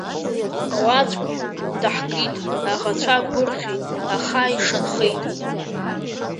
Руаӡәк даҳкит, аӷацәа гәырӷьеит, аха ишанхеит.